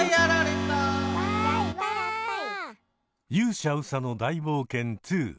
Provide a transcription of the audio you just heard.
「勇者うさの大冒険２」